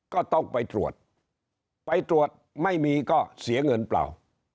ก็ต้องไปตรวจไปตรวจไม่มีก็เสียเงินเปล่า